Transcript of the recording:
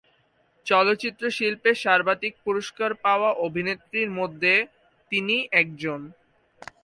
চলচ্চিত্র শিল্পে সর্বাধিক পুরস্কার পাওয়া অভিনেত্রীর মধ্যে তিনি একজন।